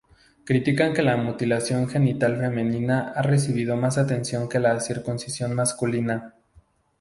Critican que la mutilación genital femenina ha recibido más atención que la circuncisión masculina.